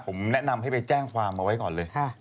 ผมแนะนำให้ไปแจ้งความเอาไว้ก่อนเลย